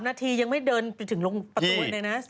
๓นาทียังไม่เดินถึงลงประตูอันนี้นะมันใกล้ลงภาพ